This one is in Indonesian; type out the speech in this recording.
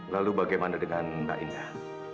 lalu bagaimana dengan mbak indah